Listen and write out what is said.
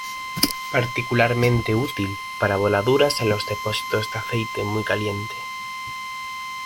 Particularmente útil para voladuras en los depósitos de aceite muy caliente.